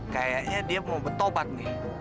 kayaknya dia mau bertobat nih